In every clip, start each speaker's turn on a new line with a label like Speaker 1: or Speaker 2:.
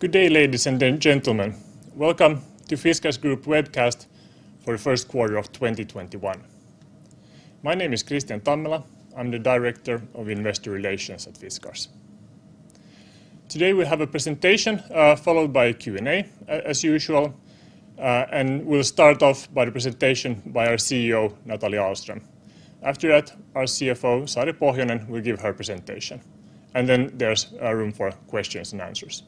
Speaker 1: Good day, ladies and gentlemen. Welcome to Fiskars Group webcast for the first quarter of 2021. My name is Kristian Tammela. I'm the Director of Investor Relations at Fiskars. Today, we have a presentation followed by a Q&A as usual, and we'll start off by the presentation by our CEO, Nathalie Ahlström. After that, our CFO, Sari Pohjonen, will give her presentation. then there's room for questions and answers.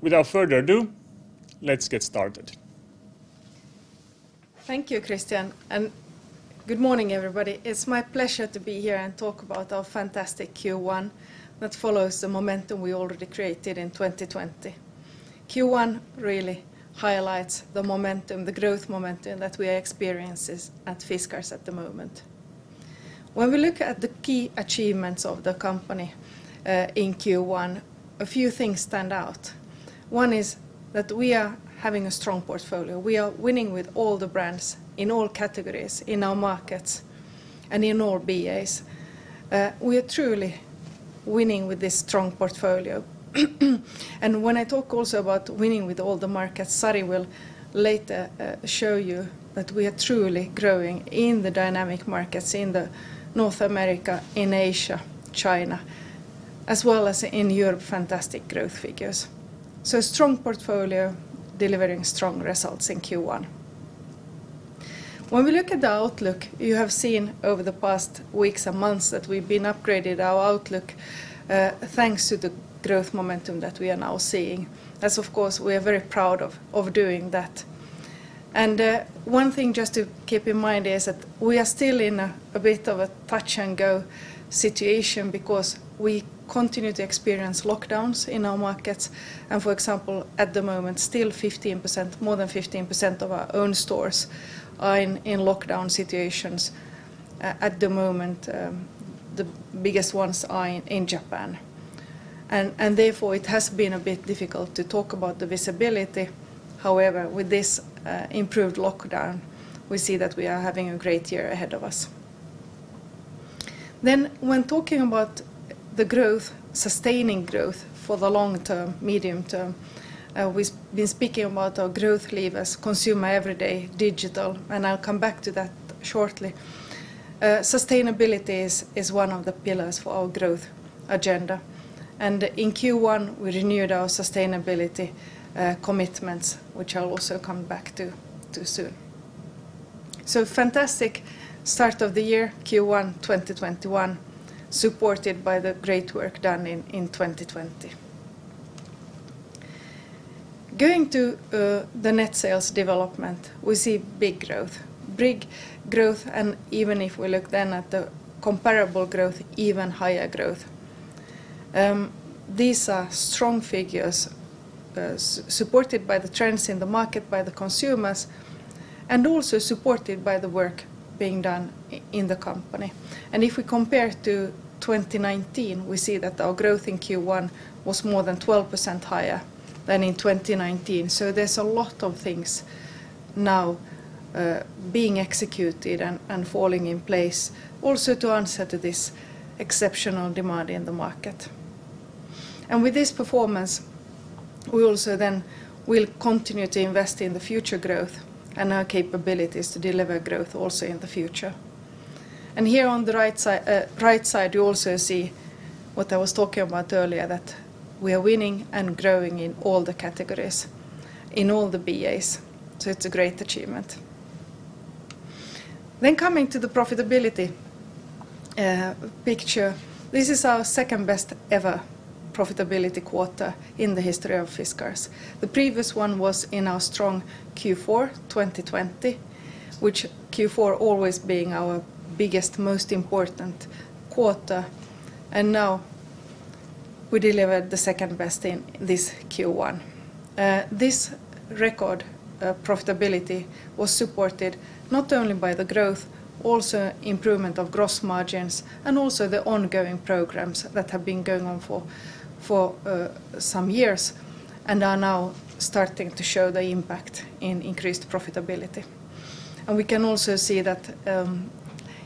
Speaker 1: without further ado, let's get started.
Speaker 2: Thank you, Kristian, and good morning, everybody. It's my pleasure to be here and talk about our fantastic Q1 that follows the momentum we already created in 2020. Q1 really highlights the growth momentum that we are experiencing at Fiskars at the moment. When we look at the key achievements of the company in Q1, a few things stand out. One is that we are having a strong portfolio. We are winning with all the brands in all categories, in our markets, and in all BAs. We are truly winning with this strong portfolio. When I talk also about winning with all the markets, Sari will later show you that we are truly growing in the dynamic markets in North America, in Asia, China, as well as in Europe, fantastic growth figures. Strong portfolio delivering strong results in Q1. When we look at the outlook, you have seen over the past weeks and months that we've been upgrading our outlook, thanks to the growth momentum that we are now seeing. As of course, we are very proud of doing that. One thing just to keep in mind is that we are still in a bit of a touch-and-go situation because we continue to experience lockdowns in our markets, and for example, at the moment, more than 15% of our own stores are in lockdown situations at the moment. The biggest ones are in Japan. Therefore, it has been a bit difficult to talk about the visibility. However, with this improved lockdown, we see that we are having a great year ahead of us. When talking about sustaining growth for the long term, medium term, we've been speaking about our growth levers, consumer every day, digital, and I'll come back to that shortly. Sustainability is one of the pillars for our growth agenda. In Q1, we renewed our sustainability commitments, which I'll also come back to, too, soon. Fantastic start of the year, Q1 2021, supported by the great work done in 2020. Going to the net sales development, we see big growth. Big growth, and even if we look then at the comparable growth, even higher growth. These are strong figures supported by the trends in the market by the consumers and also supported by the work being done in the company. If we compare to 2019, we see that our growth in Q1 was more than 12% higher than in 2019. There's a lot of things now being executed and falling in place also to answer to this exceptional demand in the market. With this performance, we also then will continue to invest in the future growth and our capabilities to deliver growth also in the future. Here on the right side, you also see what I was talking about earlier, that we are winning and growing in all the categories, in all the BAs. It's a great achievement. Coming to the profitability picture, this is our second-best ever profitability quarter in the history of Fiskars. The previous one was in our strong Q4 2020, which Q4 always being our biggest, most important quarter. Now we delivered the second best in this Q1. This record profitability was supported not only by the growth, also improvement of gross margins, and also the ongoing programs that have been going on for some years and are now starting to show the impact in increased profitability. We can also see that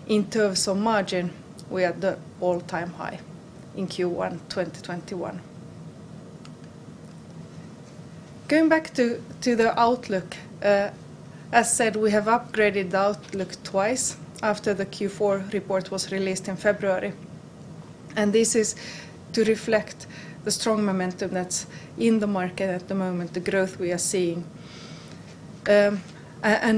Speaker 2: in terms of margin, we are at the all-time high in Q1 2021. Going back to the outlook, as said, we have upgraded the outlook twice after the Q4 report was released in February, and this is to reflect the strong momentum that's in the market at the moment, the growth we are seeing.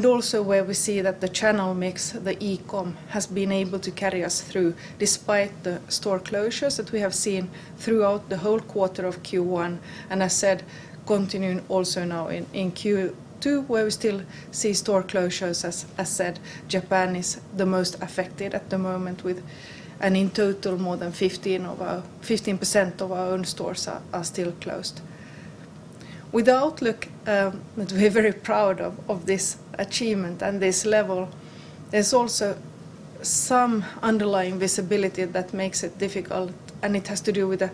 Speaker 2: Also where we see that the channel mix, the e-com, has been able to carry us through despite the store closures that we have seen throughout the whole quarter of Q1, and as said, continuing also now in Q2 where we still see store closures. As said, Japan is the most affected at the moment with, and in total, more than 15% of our own stores are still closed. With outlook, we're very proud of this achievement and this level. There's also some underlying visibility that makes it difficult, and it has to do with the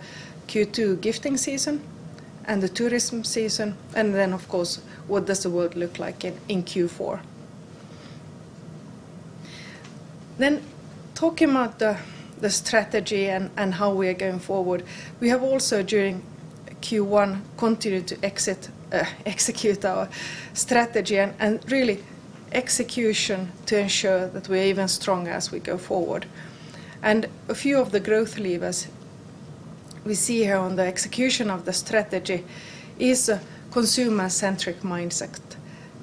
Speaker 2: Q2 gifting season and the tourism season, and then of course, what does the world look like in Q4? Talking about the strategy and how we are going forward, we have also during Q1 continued to execute our strategy, and really execution to ensure that we're even stronger as we go forward. A few of the growth levers we see here on the execution of the strategy is a consumer-centric mindset,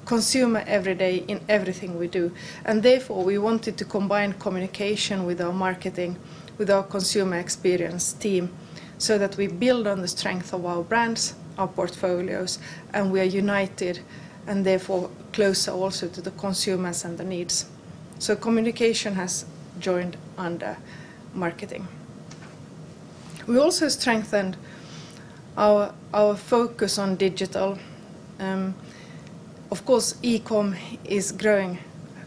Speaker 2: consumer every day in everything we do. Therefore, we wanted to combine communication with our marketing, with our consumer experience team so that we build on the strength of our brands, our portfolios, and we are united and therefore closer also to the consumers and the needs. Communication has joined under marketing. We also strengthened our focus on digital. Of course, e-com is growing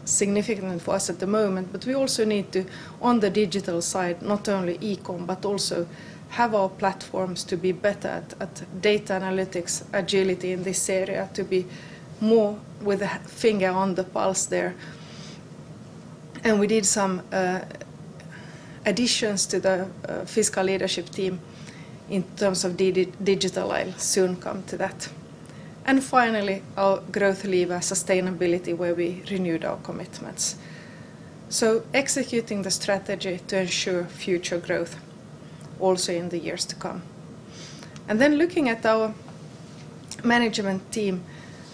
Speaker 2: significantly for us at the moment, but we also need to, on the digital side, not only e-com, but also have our platforms to be better at data analytics, agility in this area to be more with a finger on the pulse there. Finally, our growth lever sustainability, where we renewed our commitments. Executing the strategy to ensure future growth also in the years to come. Looking at our management team,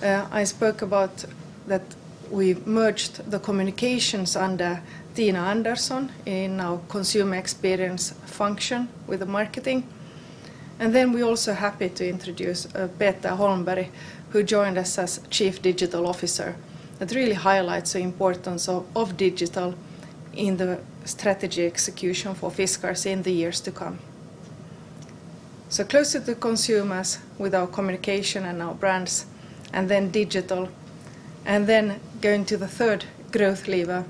Speaker 2: I spoke about that we merged the communications under Tina Andersson in our consumer experience function with the marketing. we are also happy to introduce Peter Cabello Holmberg, who joined us as Chief Digital Officer. That really highlights the importance of digital in the strategy execution for Fiskars in the years to come. closer to consumers with our communication and our brands, and then digital, and then going to the third growth lever,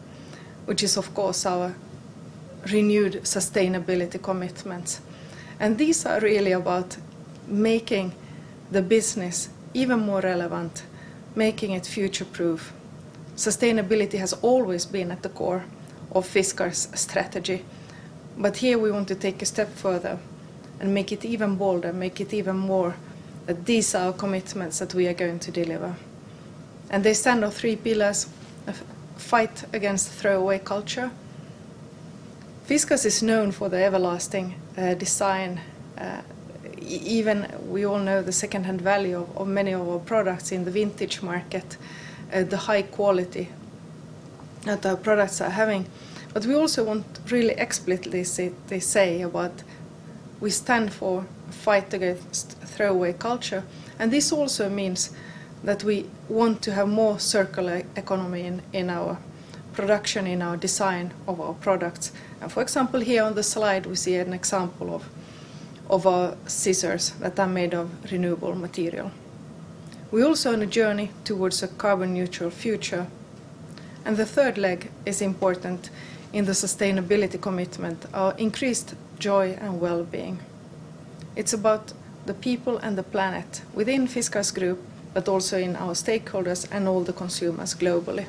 Speaker 2: which is of course our renewed sustainability commitments. these are really about making the business even more relevant, making it future-proof. Sustainability has always been at the core of Fiskars strategy, but here we want to take a step further and make it even bolder, make it even more these are commitments that we are going to deliver. They stand on three pillars: Fight against throwaway culture. Fiskars is known for the everlasting design, even we all know the secondhand value of many of our products in the vintage market, the high quality that our products are having. We also want to really explicitly say what we stand for, fight against throwaway culture, and this also means that we want to have more circular economy in our production, in our design of our products. For example, here on the slide, we see an example of our scissors that are made of renewable material. We are also on a journey towards a carbon neutral future, and the third leg is important in the sustainability commitment, our increased joy and wellbeing. It's about the people and the planet within Fiskars Group, but also in our stakeholders and all the consumers globally.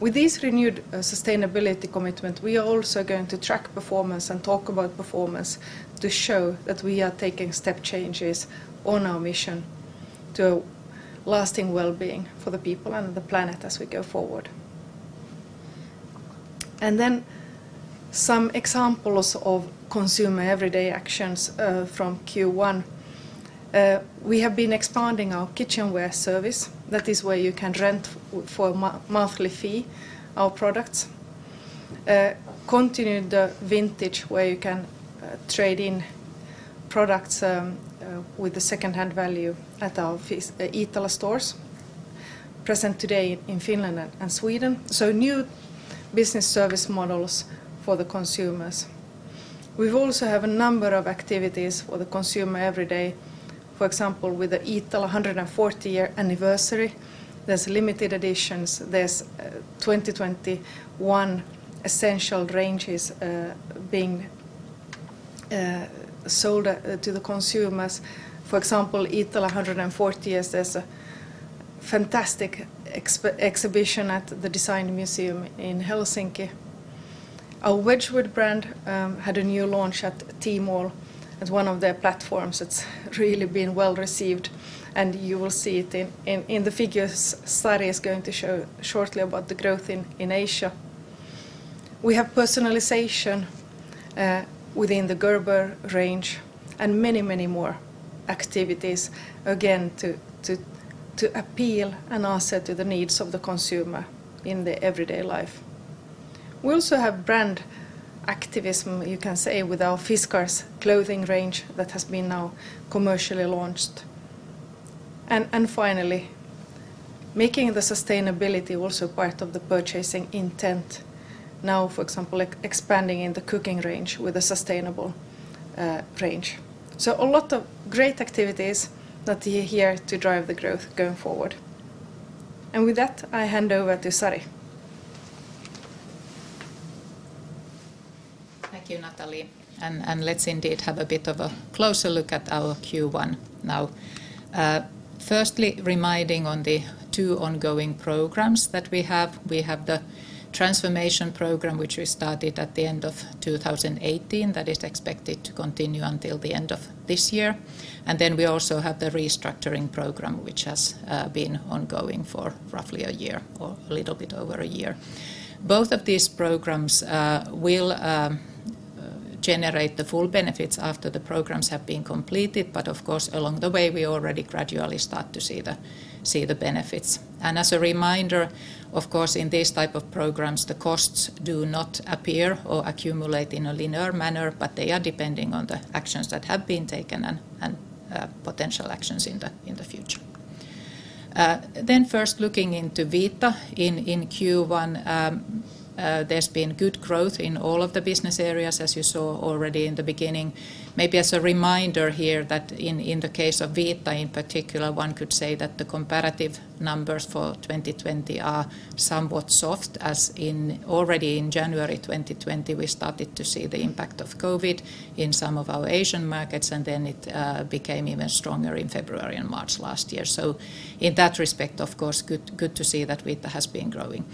Speaker 2: With this renewed sustainability commitment, we are also going to track performance and talk about performance to show that we are taking step changes on our mission to lasting wellbeing for the people and the planet as we go forward. Then some examples of consumer everyday actions, from Q1. We have been expanding our kitchenware service. That is where you can rent for a monthly fee our products. Continued vintage where you can trade in products with the secondhand value at our Iittala stores present today in Finland and Sweden. New business service models for the consumers. We also have a number of activities for the consumer every day. With the Iittala 140-year anniversary, there's limited editions, there's 2021 essential ranges being sold to the consumers. Iittala 140 years, there's a fantastic exhibition at the Design Museum in Helsinki. Our Wedgwood brand had a new launch at Tmall as one of their platforms. It's really been well received, you will see it in the figures Sari is going to show shortly about the growth in Asia. We have personalization within the Gerber range and many, many more activities, again, to appeal and answer to the needs of the consumer in the everyday life. We also have brand activism, you can say, with our Fiskars clothing range that has been now commercially launched. Finally, making the sustainability also part of the purchasing intent. Now, for example, expanding in the cooking range with a sustainable range. A lot of great activities that are here to drive the growth going forward. With that, I hand over to Sari.
Speaker 3: Thank you, Nathalie. Let's indeed have a bit of a closer look at our Q1 now. Firstly, reminding on the two ongoing programs that we have, we have the transformation program, which we started at the end of 2018, that is expected to continue until the end of this year. Then we also have the restructuring program, which has been ongoing for roughly a year or a little bit over a year. Both of these programs will generate the full benefits after the programs have been completed. Of course, along the way, we already gradually start to see the benefits. As a reminder, of course, in these type of programs, the costs do not appear or accumulate in a linear manner, but they are depending on the actions that have been taken and potential actions in the future. First looking into Vita in Q1, there's been good growth in all of the business areas, as you saw already in the beginning. Maybe as a reminder here that in the case of Vita in particular, one could say that the comparative numbers for 2020 are somewhat soft, as already in January 2020, we started to see the impact of COVID in some of our Asian markets, and it became even stronger in February and March last year. In that respect, of course, good to see that Vita has been growing.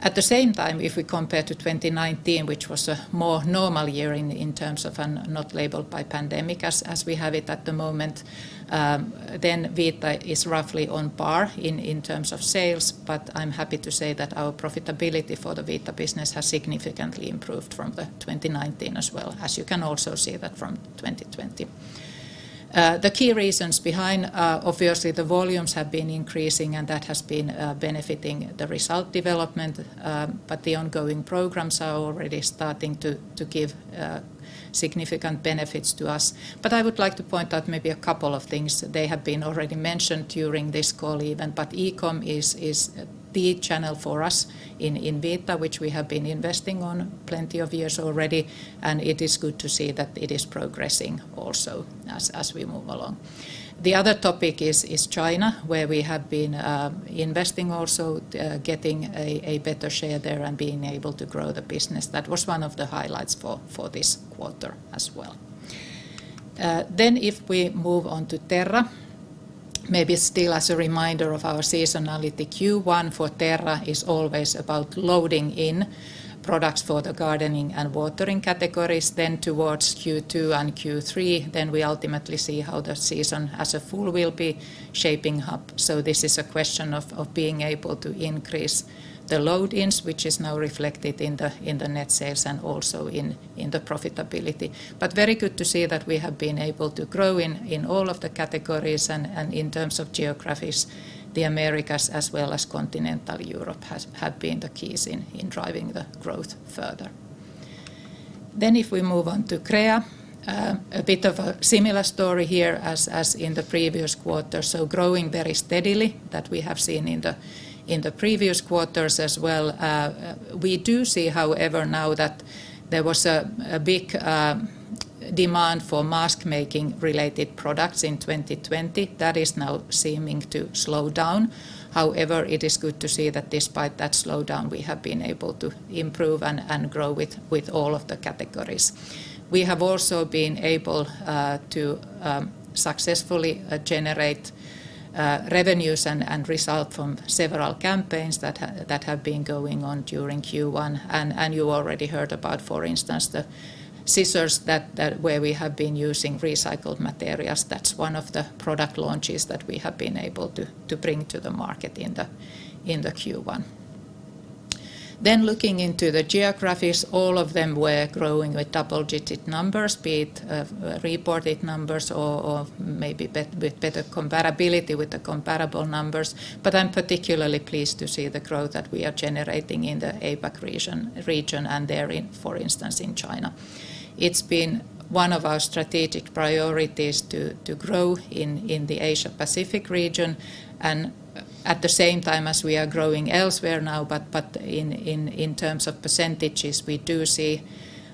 Speaker 3: At the same time, if we compare to 2019, which was a more normal year in terms of not labeled by pandemic as we have it at the moment, Vita is roughly on par in terms of sales. I'm happy to say that our profitability for the Vita business has significantly improved from the 2019 as well, as you can also see that from 2020. The key reasons behind, obviously, the volumes have been increasing, and that has been benefiting the result development. The ongoing programs are already starting to give significant benefits to us. I would like to point out maybe a couple of things. They have been already mentioned during this call even, but e-com is the channel for us in Vita, which we have been investing on plenty of years already, and it is good to see that it is progressing also as we move along. The other topic is China, where we have been investing also, getting a better share there and being able to grow the business. That was one of the highlights for this quarter as well. If we move on to Terra, maybe still as a reminder of our seasonality, Q1 for Terra is always about loading in products for the gardening and watering categories. Towards Q2 and Q3, then we ultimately see how the season as a full will be shaping up. This is a question of being able to increase the load-ins, which is now reflected in the net sales and also in the profitability. Very good to see that we have been able to grow in all of the categories and in terms of geographies, the Americas as well as Continental Europe have been the keys in driving the growth further. If we move on to Crea, a bit of a similar story here as in the previous quarter, so growing very steadily that we have seen in the previous quarters as well. We do see, however, now that there was a big demand for mask-making related products in 2020. That is now seeming to slow down. However, it is good to see that despite that slowdown, we have been able to improve and grow with all of the categories. We have also been able to successfully generate revenues and result from several campaigns that have been going on during Q1, and you already heard about, for instance, the scissors where we have been using recycled materials. That's one of the product launches that we have been able to bring to the market in the Q1. Looking into the geographies, all of them were growing with double-digit numbers, be it reported numbers or maybe with better comparability with the comparable numbers. I'm particularly pleased to see the growth that we are generating in the APAC region and there in, for instance, in China. It's been one of our strategic priorities to grow in the Asia-Pacific region and at the same time as we are growing elsewhere now, but in terms of percentages, we do see,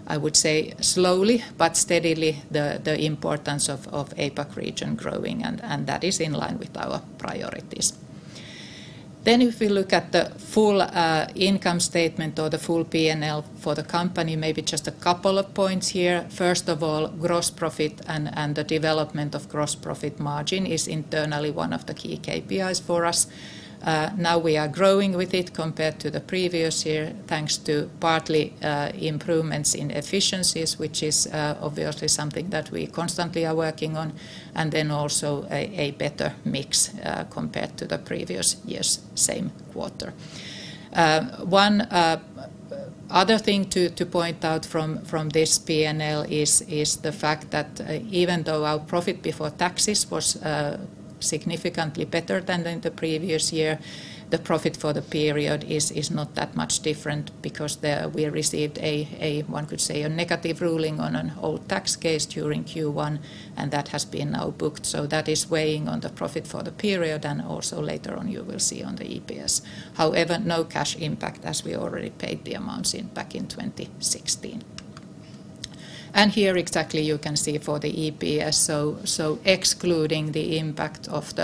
Speaker 3: I would say, slowly but steadily the importance of APAC region growing, and that is in line with our priorities. If we look at the full income statement or the full P&L for the company, maybe just a couple of points here. First of all, gross profit and the development of gross profit margin is internally one of the key KPIs for us. Now we are growing with it compared to the previous year, thanks to partly improvements in efficiencies, which is obviously something that we constantly are working on, and then also a better mix compared to the previous year's same quarter. One other thing to point out from this P&L is the fact that even though our profit before taxes was significantly better than in the previous year, the profit for the period is not that much different because we received a, one could say, a negative ruling on an old tax case during Q1, and that has been now booked. That is weighing on the profit for the period and also later on you will see on the EPS. However, no cash impact as we already paid the amounts back in 2016. Here exactly you can see for the EPS. Excluding the impact of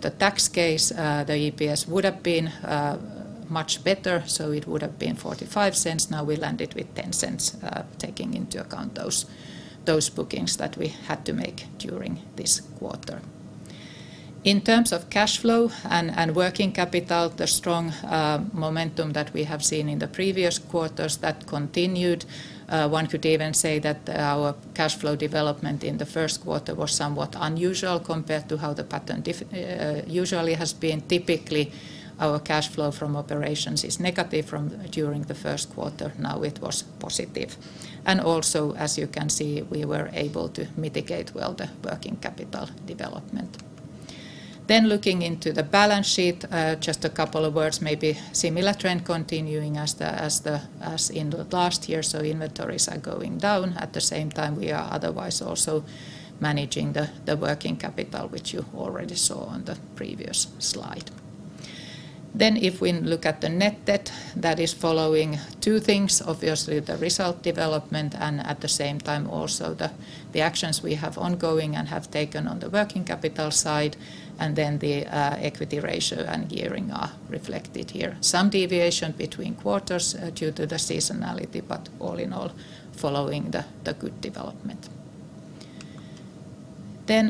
Speaker 3: the tax case, the EPS would have been much better. It would have been 0.45. Now we landed with 0.10, taking into account those bookings that we had to make during this quarter. In terms of cash flow and working capital, the strong momentum that we have seen in the previous quarters, that continued. One could even say that our cash flow development in the first quarter was somewhat unusual compared to how the pattern usually has been. Typically, our cash flow from operations is negative during the first quarter. Now it was positive. Also, as you can see, we were able to mitigate well the working capital development. Looking into the balance sheet, just a couple of words, maybe similar trend continuing as in the last year, so inventories are going down. At the same time, we are otherwise also managing the working capital, which you already saw on the previous slide. If we look at the net debt, that is following two things, obviously the result development and at the same time also the actions we have ongoing and have taken on the working capital side, and then the equity ratio and gearing are reflected here. Some deviation between quarters due to the seasonality, but all in all, following the good development.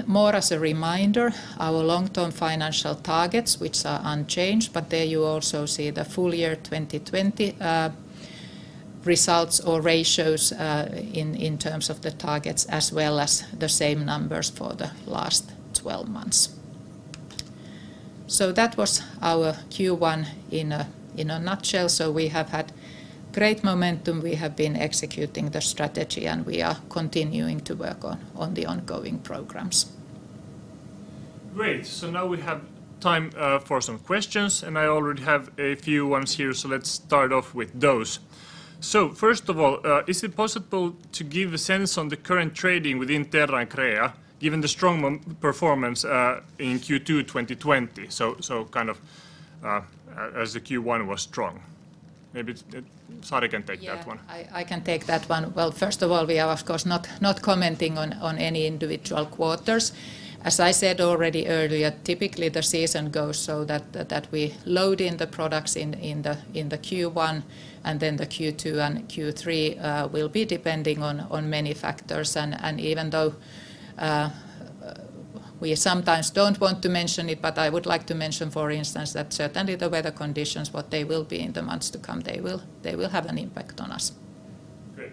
Speaker 3: More as a reminder, our long-term financial targets, which are unchanged, but there you also see the full year 2020 results or ratios in terms of the targets, as well as the same numbers for the last 12 months. That was our Q1 in a nutshell. We have had great momentum, we have been executing the strategy, and we are continuing to work on the ongoing programs.
Speaker 1: Great. Now we have time for some questions, and I already have a few ones here, so let's start off with those. First of all, is it possible to give a sense on the current trading within Terra & Crea, given the strong performance in Q2 2020? As the Q1 was strong. Maybe Sari can take that one.
Speaker 3: Yeah, I can take that one. Well, first of all, we are of course not commenting on any individual quarters. As I said already earlier, typically the season goes so that we load in the products in the Q1, and then the Q2 and Q3 will be depending on many factors. even though we sometimes don't want to mention it, but I would like to mention, for instance, that certainly the weather conditions, what they will be in the months to come, they will have an impact on us.
Speaker 1: Great.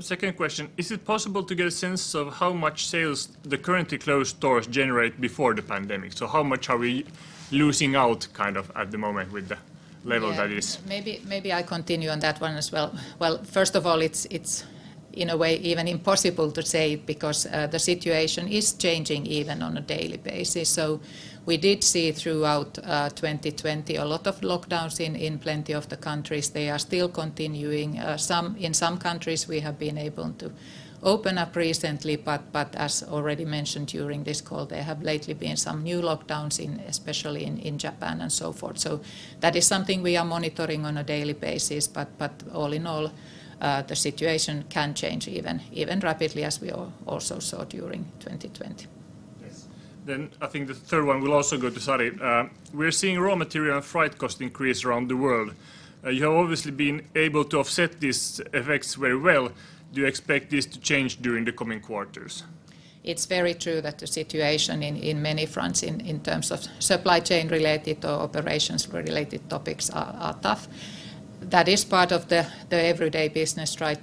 Speaker 1: second question, is it possible to get a sense of how much sales the currently closed stores generate before the pandemic? how much are we losing out at the moment with the level that is-
Speaker 3: Yeah, maybe I continue on that one as well. Well, first of all, it's in a way even impossible to say because the situation is changing even on a daily basis. We did see throughout 2020 a lot of lockdowns in plenty of the countries. They are still continuing. In some countries we have been able to open up recently, but as already mentioned during this call, there have lately been some new lockdowns, especially in Japan and so forth. That is something we are monitoring on a daily basis, but all in all, the situation can change even rapidly as we also saw during 2020.
Speaker 1: Yes. I think the third one will also go to Sari. We're seeing raw material and freight cost increase around the world. You have obviously been able to offset these effects very well. Do you expect this to change during the coming quarters?
Speaker 3: It's very true that the situation in many fronts in terms of supply chain related or operations related topics are tough. That is part of the everyday business, try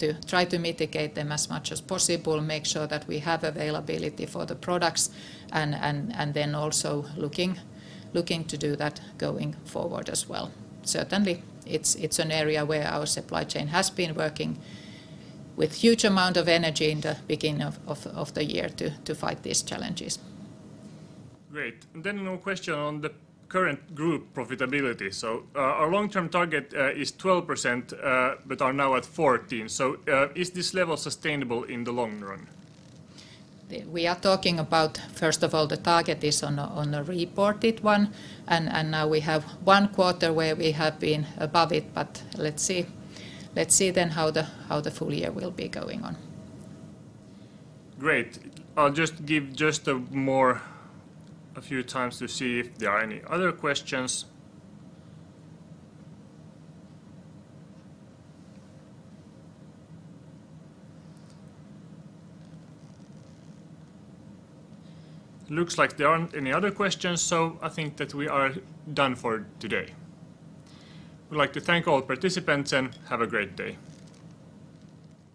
Speaker 3: to mitigate them as much as possible, make sure that we have availability for the products, and then also looking to do that going forward as well. Certainly, it's an area where our supply chain has been working with huge amount of energy in the beginning of the year to fight these challenges.
Speaker 1: Great. Then a question on the current group profitability. Our long-term target is 12%, but are now at 14. Is this level sustainable in the long run?
Speaker 3: We are talking about, first of all, the target is on a reported one, and now we have one quarter where we have been above it, but let's see then how the full year will be going on.
Speaker 1: Great. I'll just give just a few times to see if there are any other questions. Looks like there aren't any other questions, so I think that we are done for today. We'd like to thank all participants and have a great day.